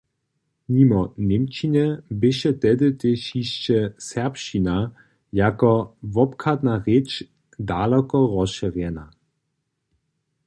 Nimo němčiny běše tehdy tež hišće serbšćina jako wobchadna rěč daloko rozšěrjena.